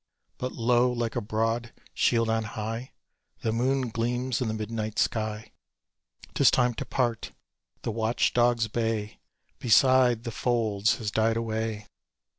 But, lo! like a broad shield on high, The moon gleams in the midnight sky. 'Tis time to part; the watch dog's bay Beside the folds has died away.